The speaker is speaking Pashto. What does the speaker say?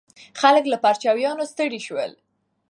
خلک له پرچاوینو ستړي شول.